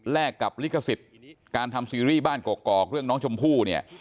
กับลิขสิทธิ์การทำซีรีส์บ้านกอกเรื่องน้องชมพู่เนี่ย